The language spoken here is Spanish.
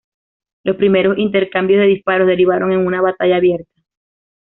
Los primeros intercambios de disparos derivaron en una batalla abierta.